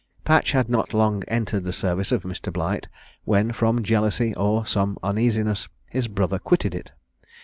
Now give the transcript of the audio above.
Patch had not long entered the service of Mr. Blight, when, from jealousy or some uneasiness, his brother quitted it.